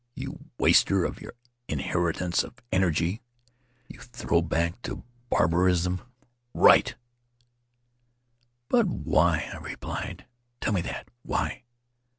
You waster of your inheritance of energy ! You throw back to barbarism — write!" But why?" I replied. "Tell me that! Why?"